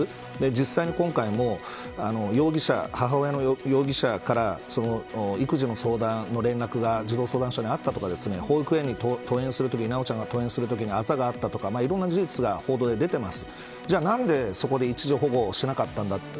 実際に、今回も母親の容疑者から育児の相談の連絡が児童相談所にあったとか保育園に修ちゃんが登園するときにあざがあったとかいろんな事実が報道で出てています。